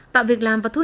tạo việc làm và thu hút